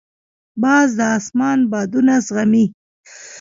باز د اسمان بادونه زغمي